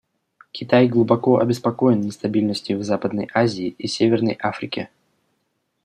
Китай глубоко обеспокоен нестабильностью в Западной Азии и Северной Африке.